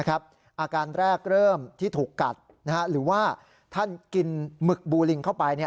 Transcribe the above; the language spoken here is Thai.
อาการแรกเริ่มที่ถูกกัดหรือว่าท่านกินหมึกบูลิงเข้าไป